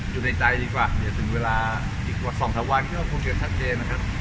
อยู่ในใจดีกว่าเนี่ยถึงเวลาอีกกว่า๒๓วันก็คงจะชัดเจนนะครับ